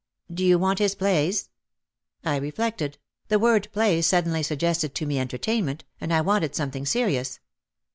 "Do you want his plays?" I reflected, the word play suddenly suggested to me entertainment and I wanted something serious.